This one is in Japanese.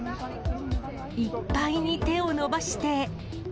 いっぱいに手を伸ばして。